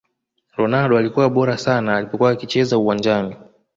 Ronaldo alikuwa bora sana alipokuwa akicheza uwanjani